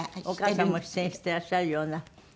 お母様も出演していらっしゃるような。